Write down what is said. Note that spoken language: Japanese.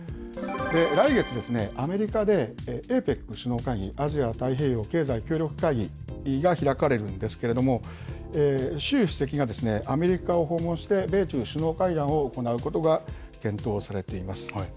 来月、アメリカでＡＰＥＣ・アジア太平洋経済協力会議が開かれるんですけれども、習主席がアメリカを訪問して米中首脳会談を行うことが検討されています。